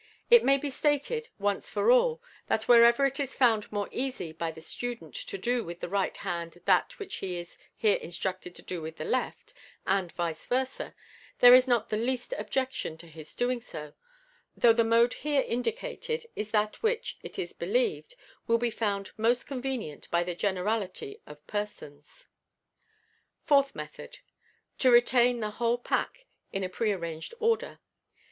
It may be stated, once for all, that wherever it is found more easy by the student io do with the right hand that which he is here instructed to do with the left, and vice versa, there is not the least objection to his doing so, though the mode here indicated is that which, it is believed, will be found most convenient by the generality of persons. Fourth Method. (To retain the whole pack in a pre ar ranged order.)